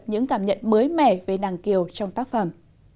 những cảm nhận mới mẻ về nàng kiều trong tác phẩm